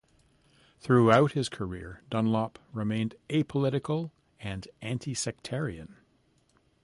Throughout his career Dunlop remained apolitical and anti-sectarian.